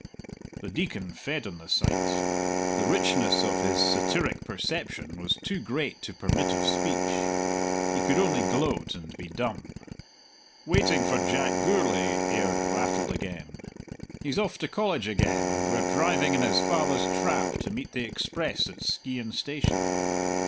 The Deacon fed on the sight. The richness of his satiric perception was too great to permit of speech. He could only gloat and be dumb. "Waiting for Jack Gourlay," Aird rattled again. "He's off to College again, and we're driving in his father's trap to meet the express at Skeighan Station.